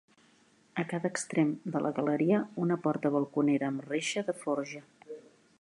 A cada extrem de la galeria una porta balconera amb reixa de forja.